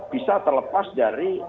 bisa terlepas dari